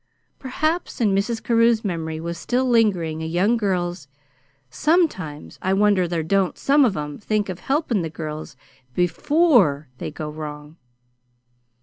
Perhaps in Mrs. Carew's memory was still lingering a young girl's "Sometimes I wonder there don't some of 'em think of helpin' the girls BEFORE they go wrong."